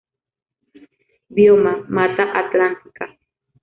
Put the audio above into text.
Bioma: Mata Atlántica.